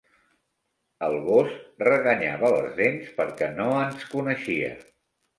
El gos reganyava les dents perquè no ens coneixia.